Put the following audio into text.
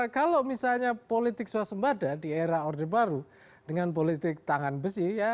kalau misalnya politik suasembada di era orde baru dengan politik tangan besi ya